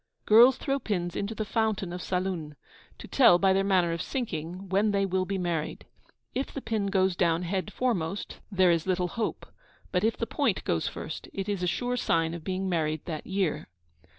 Girls throw pins into the fountain of Saloun to tell, by their manner of sinking, when they will be married. If the pin goes down head foremost, there is little hope; but, if the point goes first, it is a sure sign of being married that year.